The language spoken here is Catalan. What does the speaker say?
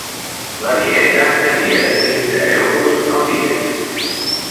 La dieta seria de quinze euros al dia.